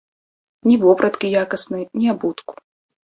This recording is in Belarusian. Ні вопраткі якаснай, ні абутку.